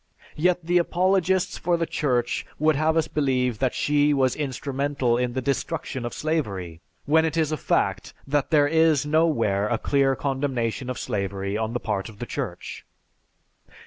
Yet, the apologists for the Church would have us believe that she was instrumental in the destruction of slavery, when it is a fact that there is nowhere a clear condemnation of slavery on the part of the Church.